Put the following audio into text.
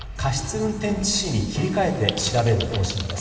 運転致死に切り替えて調べる方針です。